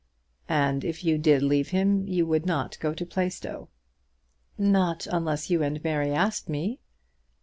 "And if you did leave him you would not go to Plaistow." "Not unless you and Mary asked me."